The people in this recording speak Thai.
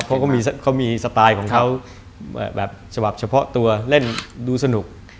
เพราะเขามีสไตล์ของเขาแบบฉบับเฉพาะตัวเล่นดูสนุก